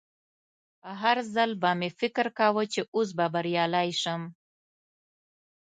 هر ځل به مې فکر کاوه چې اوس به بریالی شم